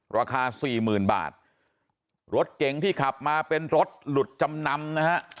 ราคาสี่หมื่นบาทรถเก๋งที่ขับมาเป็นรถหลุดจำนำนะฮะ